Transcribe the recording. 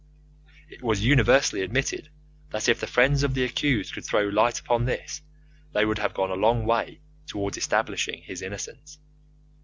It was universally admitted that if the friends of the accused could throw light upon this, they would have gone a long way towards establishing his innocence.